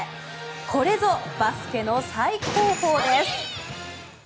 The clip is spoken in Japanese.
これぞバスケの最高峰です。